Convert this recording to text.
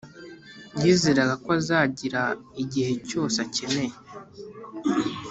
yizeraga ko azagira igihe cyose akeneye.